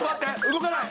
動かない。